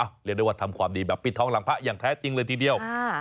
เรียกได้ว่าทำความดีแบบปิดท้องหลังพระอย่างแท้จริงเลยทีเดียว